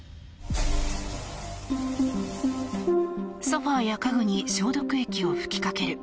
ソファや家具に消毒液を噴きかける